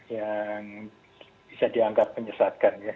yang bisa dianggap menyesatkan